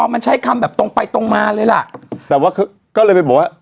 มันใช้คำแบบตรงไปตรงมาเลยล่ะแต่ว่าก็เลยไปบอกว่า